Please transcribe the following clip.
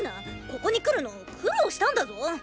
ここに来るの苦労したんだぞ！